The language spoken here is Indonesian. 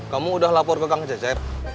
kamu udah lapor ke kang cecep